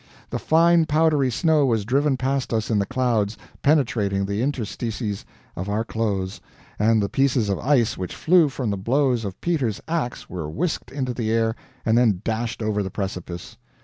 The fine powdery snow was driven past us in the clouds, penetrating the interstices of our clothes, and the pieces of ice which flew from the blows of Peter's ax were whisked into the air, and then dashed over the precipice.